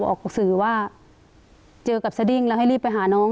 ออกสื่อว่าเจอกับสดิ้งแล้วให้รีบไปหาน้อง